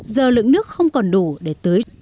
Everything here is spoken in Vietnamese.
giờ lượng nước không còn đủ để tưới